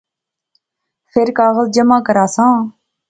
فیر کاغذ جمع کراساں